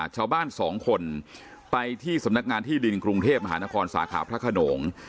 ชาวบ้านสองคนไปที่สำนักงานที่ดินกรุงเทพมหานครสาขาพระขนง